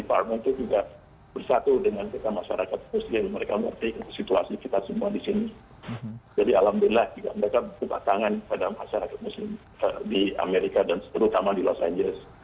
jadi alhamdulillah juga mereka buka tangan pada masyarakat muslim di amerika dan terutama di los angeles